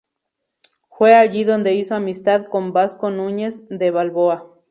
Fue allí donde hizo amistad con Vasco Nuñez de Balboa.